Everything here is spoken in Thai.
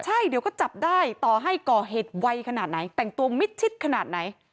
ใช่เดี๋ยวก็จับได้ต่อให้ก่อเหตุไวขนาดไหนแต่งตัวมิดชิดขนาดไหน